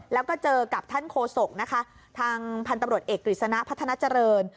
แล้วก็เจอกับท่านโคศกนะคะทางพันธุ์ตำรวจเอกกฤษณะพัฒนาเจริญ